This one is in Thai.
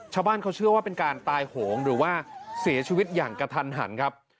ชาวบ้านเขาเชื่อว่าเป็นการตายโหงหรือว่าเสียชีวิตอย่างกระทันหันครับ